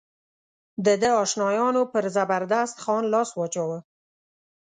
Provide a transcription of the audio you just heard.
د ده اشنایانو پر زبردست خان لاس واچاوه.